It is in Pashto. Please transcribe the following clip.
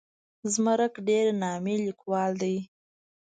زمرک ډېر نامي لیکوال دی.